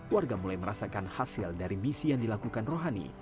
warga mulai merasakan hasil dari misi yang dilakukan rohani